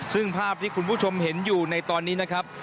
ซึ่งภาพที่คุณผู้ชมเห็นอยู่ในตอนนี้นะครับ